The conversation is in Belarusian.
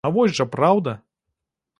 А вось жа праўда!